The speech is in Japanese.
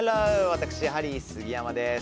私、ハリー杉山です。